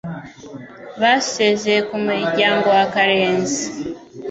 Basezeye ku muryango wa Karenzi